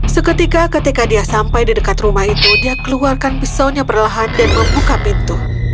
seketika ketika dia sampai di dekat rumah itu dia keluarkan pisaunya perlahan dan membuka pintu